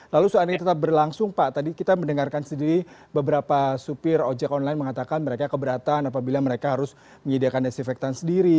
lalu soalnya tetap berlangsung pak tadi kita mendengarkan sendiri beberapa supir check online mengatakan mereka keberatan apabila mereka harus menyediakan test efektan sendiri